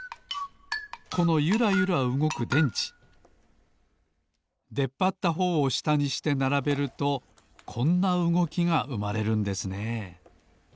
このゆらゆらうごく電池でっぱったほうをしたにしてならべるとこんなうごきがうまれるんですね